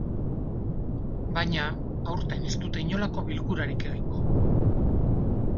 Baina, aurten ez dute inolako bilkurarik egingo.